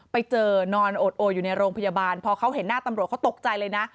ไปเจอนอนโอดโออยู่ในโรงพยาบาลพอเขาเห็นหน้าตำรวจเขาตกใจเลยนะ